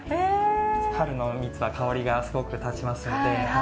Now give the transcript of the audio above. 春の蜜は香りがすごく立ちますので。